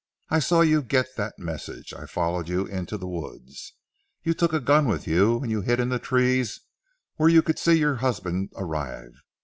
I saw you get that message. I followed you into the woods. You took a gun with you, and you hid in the trees where you could see your husband arrive.